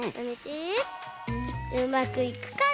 うまくいくかな？